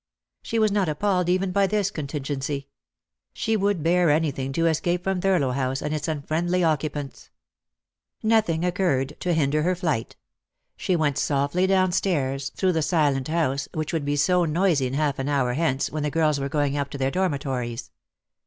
She was not appalled even by this con tingency. She would bear anything to escape from Thurlow House and its unfriendly occupants. Nothing occurred tc hinder her flight. She went softly down stairs, through the silent house, which would be so noisy half an hour hence when the girls were going up to their dormitories.